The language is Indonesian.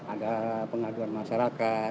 ada pengaduan masyarakat